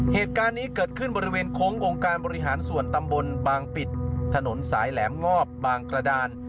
เหตุการณ์นี้เกิดขึ้นบริเวณโค้งองค์การบริหารส่วนตำบลบางปิดถนนสายแหลมงอบบางกระดาน